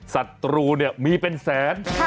ศัตรูมีเป็นแสน